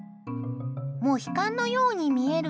モヒカンのように見える